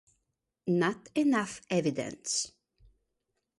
Not enough evidence!